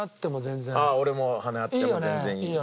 ああ俺も羽根あっても全然いいです。